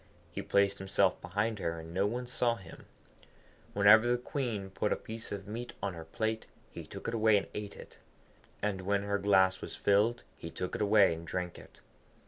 He placed himself behind her, and no one saw him. Whenever the Queen put a piece of meat on her plate, he took it away and ate it, and when her glass was filled he took it away and drank it.